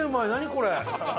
これ。